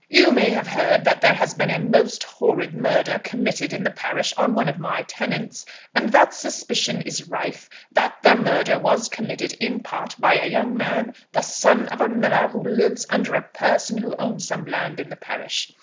You may have heard that there has been a most horrid murder committed in the parish on one of my tenants; and that suspicion is rife that the murder was committed in part by a young man, the son of a miller who lives under a person who owns some land in the parish.